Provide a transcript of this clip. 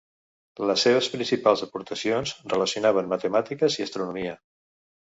Les seves principals aportacions relacionaven matemàtiques i astronomia.